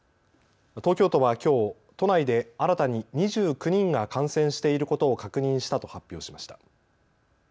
東京都はきょう、都内で新たに２９人が感染していることを確認したと発表しました。